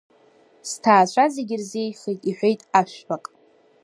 Сҭаацәа зегьы ирзеиӷьхеит, – иҳәеит Ашәбак.